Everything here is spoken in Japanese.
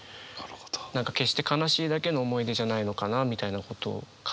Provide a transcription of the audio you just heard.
何か決して悲しいだけの思い出じゃないのかなみたいなことを考えてました。